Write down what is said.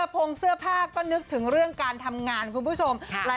พงเสื้อผ้าก็นึกถึงเรื่องการทำงานคุณผู้ชม